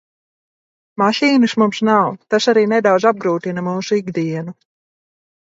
Mašīnas mums nav, tas arī nedaudz apgrūtina mūsu ikdienu.